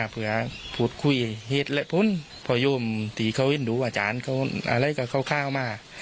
พอยมน์ที่เขาเห็นดูว่าจานเค้าอะไรก็ขาวมาก